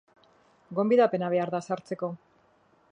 Gonbidapena behar da sartzeko.